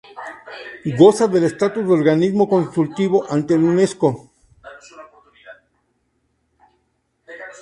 Goza del estatus de organismo consultivo ante la Unesco.